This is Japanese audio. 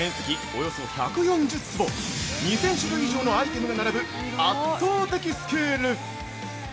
およそ１４０坪、２０００種類以上のアイテムが並ぶ圧倒的スケール。